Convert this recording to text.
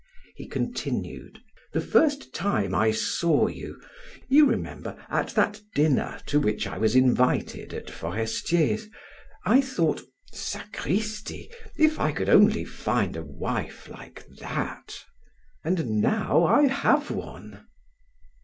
He continued: "The first time I saw you (you remember, at that dinner to which I was invited at Forestier's), I thought: 'Sacristi, if I could only find a wife like that!' And now I have one."